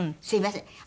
すみません。